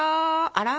あら？